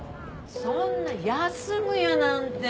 そんな休むやなんて。